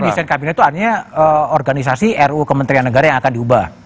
desain kabinet itu artinya organisasi ruu kementerian negara yang akan diubah